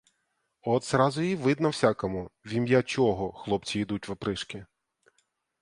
От зразу й видно всякому, в ім'я чого хлопці йдуть в опришки.